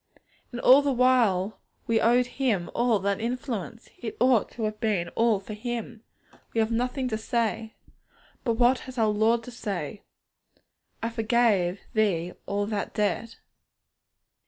And all the while we owed Him all that influence! It ought to have been all for Him! We have nothing to say. But what has our Lord to say? 'I forgave thee all that debt!'